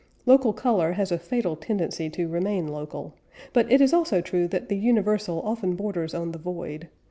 Local color has a fatal tendency to remain local; but it is also true that the universal often borders on the void.